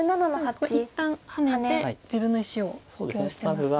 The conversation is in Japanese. ここで一旦ハネて自分の石を補強してますね。